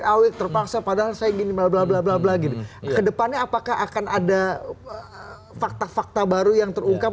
tapi paling tidak kita sudah berusaha